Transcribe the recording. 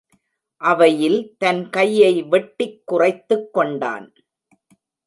அவையில் தன் கையை வெட்டிக் குறைத்துக் கொண்டான்.